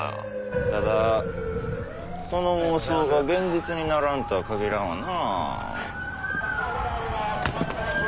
ただその妄想が現実にならんとは限らんわな。